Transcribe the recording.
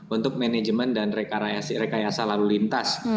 untuk manajemen dan rekayasa lalu lintas